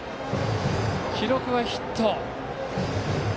記録はヒット。